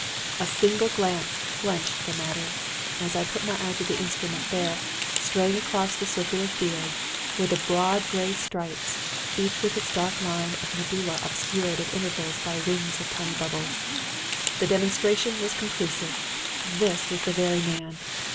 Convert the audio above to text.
"A single glance clenched the matter. As I put my eye to the instrument, there, straying across the circular field, were the broad gray stripes, each with its dark line of medulla obscured at intervals by rings of tiny bubbles. The demonstration was conclusive. This was the very man.